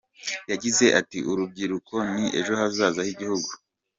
Yagize ati "urubyiruko ni ejo hazaza h’igihugu.